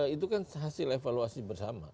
itu kan hasil evaluasi bersama